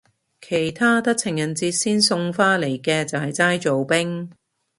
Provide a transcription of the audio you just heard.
其他得情人節先送花嚟嘅就係齋做兵